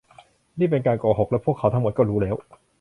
นี่เป็นการโกหก และพวกเขาทั้งหมดก็รู้แล้ว